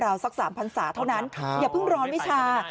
สัก๓พันศาเท่านั้นอย่าเพิ่งร้อนวิชา